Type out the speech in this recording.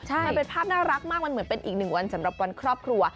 มันเป็นภาพน่ารักมากมันเหมือนเป็นอีกหนึ่งวันสำหรับวันครอบครัว